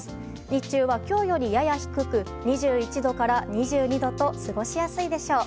日中は今日よりやや低く２１度から２２度と過ごしやすいでしょう。